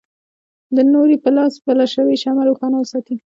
د نوري په لاس بله شوې شمعه روښانه وساتي.